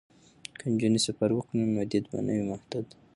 که نجونې سفر وکړي نو دید به نه وي محدود.